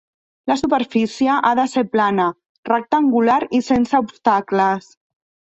La superfície ha de ser plana, rectangular i sense obstacles.